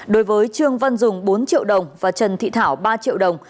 đối với trương văn dùng bốn triệu đồng và trần thị thảo ba triệu đồng